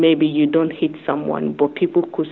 walaupun mungkin anda tidak menangkap seseorang